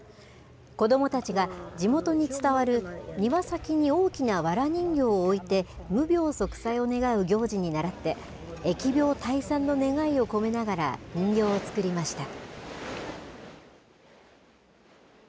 子どもたちが地元に伝わる庭先に大きなわら人形を置いて、無病息災を願う行事にならって、疫病退散の願いを込めながら、人形を作りました。